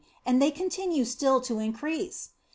And they continue still to increase!